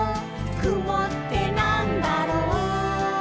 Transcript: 「くもってなんだろう？」